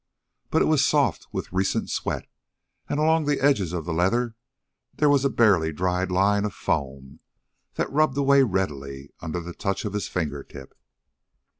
But it was soft with recent sweat, and along the edges of the leather there was a barely dried line of foam that rubbed away readily under the touch of his fingertip.